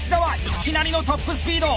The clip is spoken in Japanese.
いきなりのトップスピード！